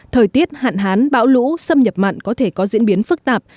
thời tiết hạn hán bão lũ xâm nhập mặn có thể có diễn biến phức tạp